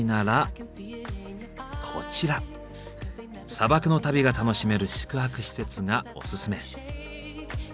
砂漠の旅が楽しめる宿泊施設がオススメ。